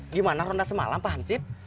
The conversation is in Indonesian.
gimana ronda semalam pak hansib